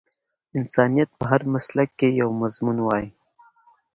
انسانيت په هر مسلک کې یو مضمون وای